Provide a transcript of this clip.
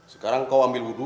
sekarang kau ambil hudu